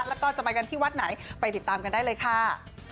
แล้วก็จะไปกันที่วัดไหนไปติดตามกันได้เลยค่ะ